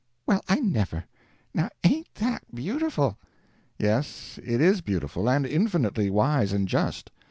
"Well, I never! Now ain't that beautiful!" "Yes, it is beautiful and infinitely wise and just.